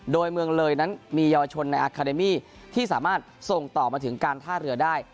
โดยเมืองเลยนั้นมีเยาวชนในอาคาเดมี่ที่สามารถส่งต่อมาถึงการท่าเรือได้